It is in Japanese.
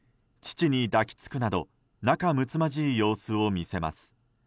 父に抱き着くなど仲むつまじい様子を見せます。